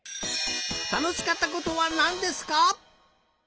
「たのしかったことはなんですか？」。